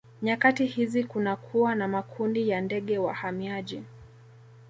Nyakati hizi kunakuwa na makundi ya ndege wahamiaji